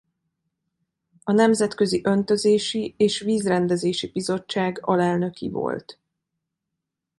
A Nemzetközi Öntözési és Vízrendezési Bizottság alelnöki volt.